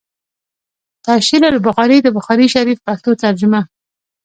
“ تشعيل البخاري” َد بخاري شريف پښتو ترجمه